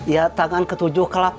ya tangan ke tujuh ke delapan